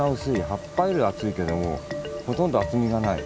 葉っぱよりは厚いけどもほとんど厚みがない。